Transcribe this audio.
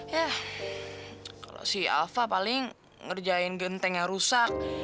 ya kalau si alpha paling ngerjain genteng yang rusak